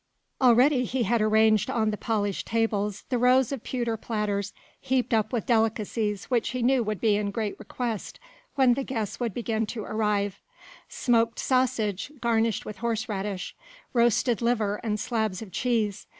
Already he had arranged on the polished tables the rows of pewter platters heaped up with delicacies which he knew would be in great request when the guests would begin to arrive: smoked sausage garnished with horseradish, roasted liver and slabs of cheese.